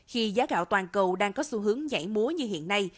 khi giá gạo toàn cầu đang có xu hướng nhảy múa như hiện nay